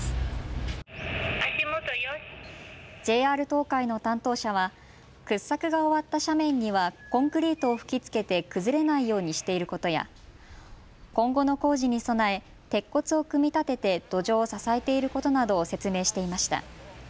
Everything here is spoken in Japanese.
ＪＲ東海の担当者は掘削が終わった斜面にはコンクリートを吹きつけて崩れないようにしていることや今後の工事に備え鉄骨を組み立てて土壌を支えていることなどを説明していました。